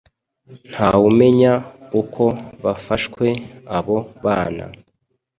ntawumenya uko bafashwe abo bana